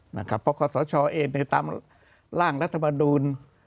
เพราะขอสชเองในตามร่างรัฐมนูล